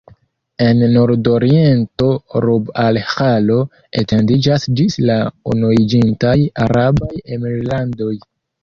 En nordoriento Rub-al-Ĥalo etendiĝas ĝis la Unuiĝintaj Arabaj Emirlandoj.